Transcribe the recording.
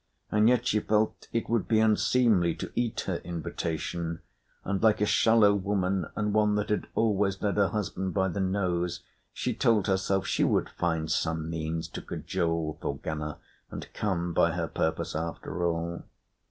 And yet she felt it would be unseemly to eat her invitation; and like a shallow woman and one that had always led her husband by the nose, she told herself she would find some means to cajole Thorgunna and come by her purpose after all.